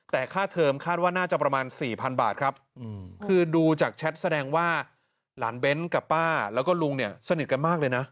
แต่ค่าเทิมคาดว่าน่าจะประมาณ๔๐๐บาทครับคือดูจากแชทแสดงว่าหลานเบ้นกับป้าแล้วก็ลุงเนี่ยสนิทกันมากเลยนะ